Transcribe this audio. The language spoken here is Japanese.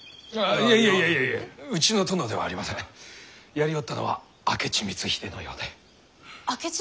やりおったのは明智光秀のようで。